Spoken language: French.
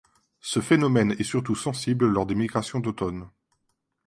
Ce phénomène est surtout sensible lors des migrations d'automne.